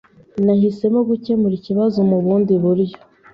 Nahisemo gukemura ikibazo mubundi buryo.